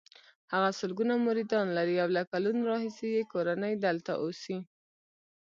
هغه سلګونه مریدان لري او له کلونو راهیسې یې کورنۍ دلته اوسي.